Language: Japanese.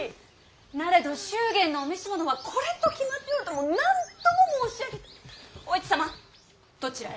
なれど祝言のお召し物はこれと決まっておるともう何度も申し上げてお市様どちらへ？